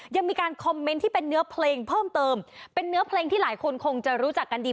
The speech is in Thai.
ยังมีการคอมเมนต์ที่เป็นเนื้อเพลงเพิ่มเติมเป็นเนื้อเพลงที่หลายคนคงจะรู้จักกันดี